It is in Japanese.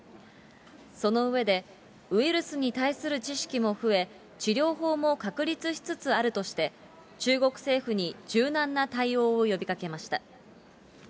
その上で、ウイルスに対する知識も増え、治療法も確立しつつあるとして、中国政府に柔軟な対応を呼びかけました。